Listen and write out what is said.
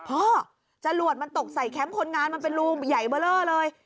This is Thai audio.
จรวดมันตกใส่แคมป์คนงานมันเป็นรูใหญ่เบอร์เลอร์เลย